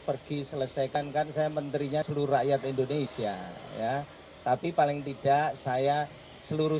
pergi selesaikan kan saya menterinya seluruh rakyat indonesia ya tapi paling tidak saya seluruh